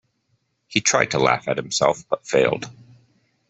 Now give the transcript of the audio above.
He tried to laugh at himself but failed.